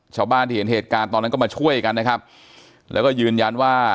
ชาวบ้านที่เห็นเหตุการณ์ตอนนั้นก็มาช่วยกันนะครับแล้วก็ยืนยันว่า